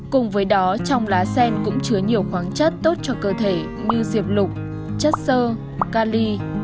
cùng với đó trong lá sen cũng chứa nhiều khoáng chất tốt cho cơ thể như diệp lục chất sơ cali